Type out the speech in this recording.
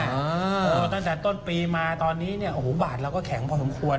โอ้โหตั้งแต่ต้นปีมาตอนนี้เนี่ยโอ้โหบาทเราก็แข็งพอสมควร